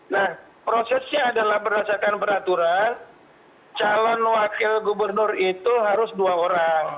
nah prosesnya adalah berdasarkan peraturan calon wakil gubernur itu harus dua orang